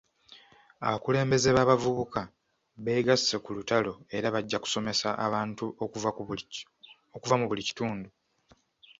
Abakulembeze b'abavubuka beegasse ku lutalo era bajja kusomesa abantu okuva mu buli kitundu.